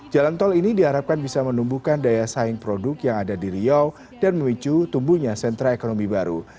jalan tol ini diharapkan bisa menumbuhkan daya saing produk yang ada di riau dan memicu tumbuhnya sentra ekonomi baru